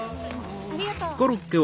ありがとう。